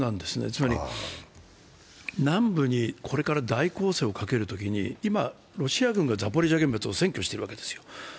つまり南部にこれから大攻勢をかけるときに今ロシア軍がザポリージャ原発を占拠しているわけですよ。